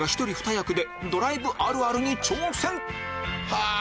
はぁ！